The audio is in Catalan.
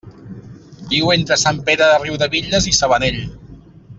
Viu entre Sant Pere de Riudebitlles i Sabanell.